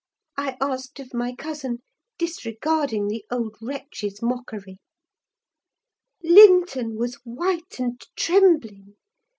I asked of my cousin, disregarding the old wretch's mockery. "Linton was white and trembling.